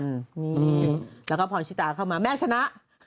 นี่แล้วก็พรชิตาเข้ามาแม่ชนะ